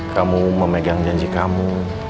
kamu memegang janji kamu